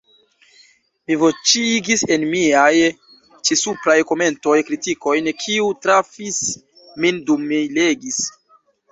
Mi voĉigis en miaj ĉi-supraj komentoj kritikojn, kiuj trafis min dum mi legis.